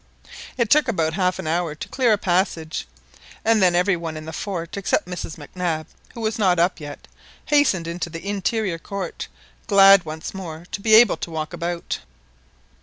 It took about half an hour to clear a passage, and then every one in the fort, except Mrs Mac Nab, who was not yet up, hastened into the interior court, glad once more to be able to walk about.